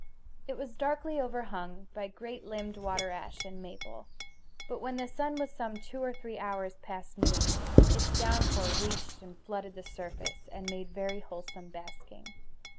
It was darkly overhung by great limbed water ash and maple; but when the sun was some two or three hours past noon its downpour reached and flooded the surface and made very wholesome basking.